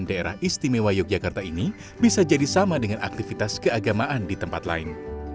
daerah istimewa yogyakarta ini bisa jadi sama dengan aktivitas keagamaan di tempat lain